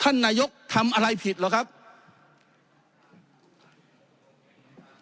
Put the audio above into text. ท่านนายกคือทำร้ายระบอบประชาธิปไตยที่มีพระมหาคศัตริย์